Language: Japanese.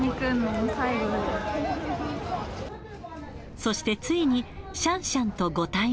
そしてついに、シャンシャンとご対面。